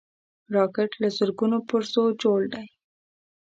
راکټ له زرګونو پرزو جوړ دی